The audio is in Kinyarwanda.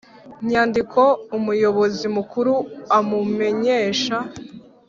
Nyandiko umuyobozi mukuru amumenyesha